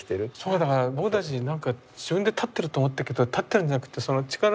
僕たち自分で立ってると思ってたけど立ってるんじゃなくってその力に。